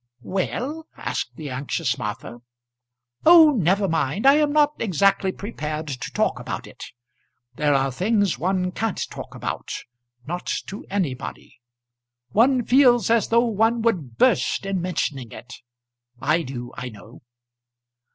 "Well?" asked the anxious Martha. "Oh, never mind. I am not exactly prepared to talk about it. There are things one can't talk about, not to anybody. One feels as though one would burst in mentioning it. I do, I know."